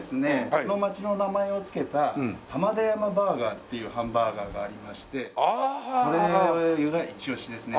この街の名前を付けた浜田山バーガーっていうハンバーガーがありましてそれが一押しですね。